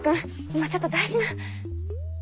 今ちょっと大事な。